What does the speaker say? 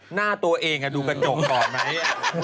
หน้าตัวเองดูกระจกก่อนไหม